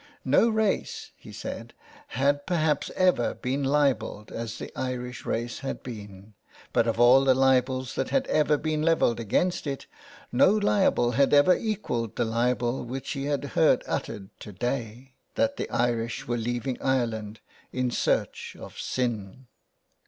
" No race," he said, " had perhaps ever been libelled as the Irish race had been, but of all the libels that had ever been levelled against it, no libel had ever equalled the libel which he had heard uttered to day, 380 THE WILD GOOSE. that the Irish were leaving Ireland in search of sin.